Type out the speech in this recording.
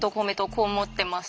こう思ってます。